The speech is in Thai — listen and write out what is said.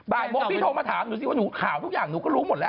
บาทพี่โทรมาถามหนูข่าวทุกอย่างหนูก็รู้หมดแล้ว